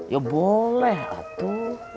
ya boleh atu